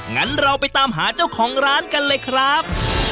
งั้นเราไปตามหาเจ้าของร้านกันเลยครับ